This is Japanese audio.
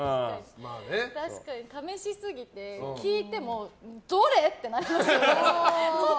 確かに、試しすぎて聞いてもどれ？ってなりますよね。